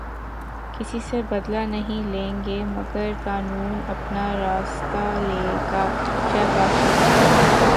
کسی سے بدلہ نہیں لیں گے مگر قانون اپنا راستہ لے گا، شہباز شریف